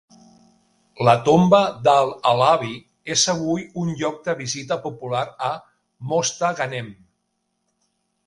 La tomba d'Al-Alawi és avui un lloc de visita popular a Mostaganem.